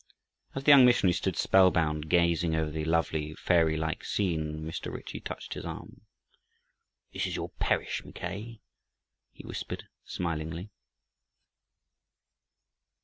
As the young missionary stood spellbound, gazing over the lovely, fairylike scene, Mr. Ritchie touched his arm. "This is your parish, Mackay," he whispered smilingly.